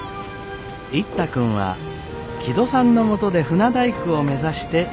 一太君は木戸さんのもとで船大工を目指して修業中です。